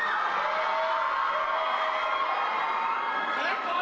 สวัสดีครับ